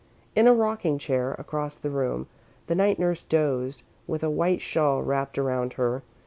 In a rocking chair, across the room, the night nurse dozed, with a white shawl wrapped around her.